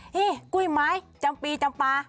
นี่กุ้ยไม้จำปีจำปลา